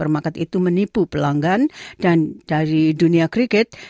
supermarket itu menipu pelanggan dan dari dunia kriket